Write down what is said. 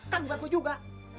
kan buat lo juga